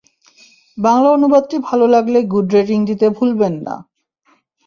বাংলা অনুবাদটি ভালো লাগলে গুড রেটিং দিতে ভুলবেন না।